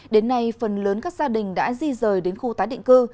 đến nay phần lớn các gia đình đã di rời đến khu tái định cư